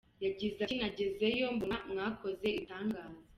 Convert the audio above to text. Yagize ati “Nagezeyo, mbona mwakoze ibitangaza.